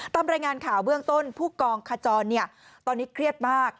ตามรายงานข่าวเบื้องต้นผู้กองขจรตอนนี้เครียดมาก